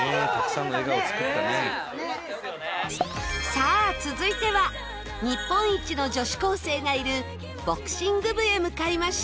さあ続いては日本一の女子高生がいるボクシング部へ向かいましょう。